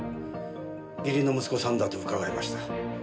義理の息子さんだと伺いました。